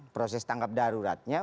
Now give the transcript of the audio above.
proses tangkap daruratnya